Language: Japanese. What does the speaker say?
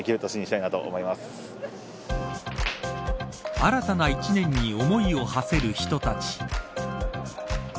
新たな１年に思いをはせる人たち。